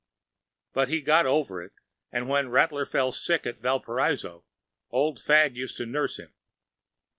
But he got over it, and when Rattler fell sick at Valparaiso, Old Fagg used to nurse him.